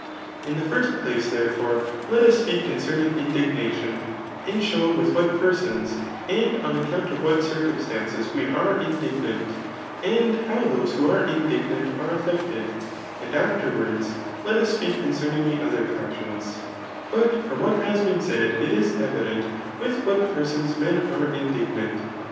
la the first places therefore,, let us speak oaacemiDg iddignadon, and show with what persons, and on account of what circumstances we arerindigimnt, and how those who are indignant are affected ; and afterwards, let us speak concerning the other {iassions* But from what has been said, it is evident [with what persons men are indignant.